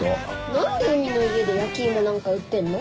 何で海の家で焼き芋なんか売ってんの？